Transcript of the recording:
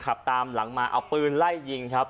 ขับตามหลังมาเอาปืนไล่ยิงครับ